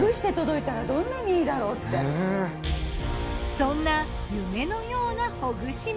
そんな夢のようなほぐし身